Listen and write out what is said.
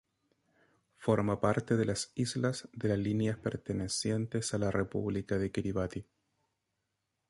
Forma parte de las Islas de la Línea pertenecientes a la República de Kiribati.